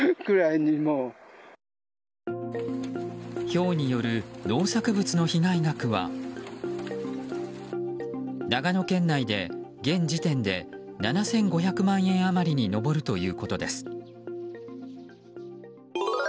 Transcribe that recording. ひょうによる農作物の被害額は長野県内で現時点で７５００万円余りに上るということです。